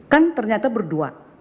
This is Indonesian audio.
kan ternyata berdua